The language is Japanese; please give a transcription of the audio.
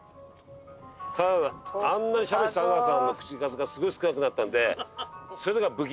ただあんなにしゃべってた阿川さんの口数がすごい少なくなったのでそれだけが不気味ですね。